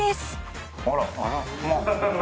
あら。